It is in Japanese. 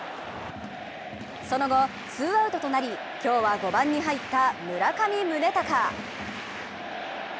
その後、ツーアウトとなり、今日は５番に入った村上宗隆。